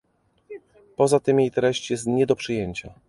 Poza tym jej treść jest nie do przyjęcia